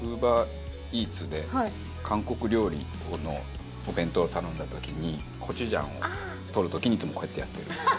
ＵｂｅｒＥａｔｓで韓国料理のお弁当を頼んだ時にコチュジャンを取る時にいつもこうやってやってる。